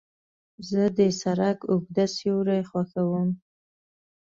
زه د سړک اوږده سیوري خوښوم.